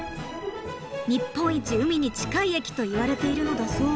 日本一海に近い駅と言われているのだそう。